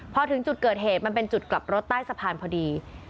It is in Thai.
พอถึงจุดเกิดเหตุมันเป็นจุดกลับรถใต้สะพานพอดี